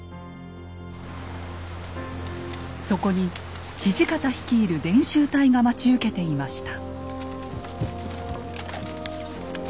そこに土方率いる伝習隊が待ち受けていました。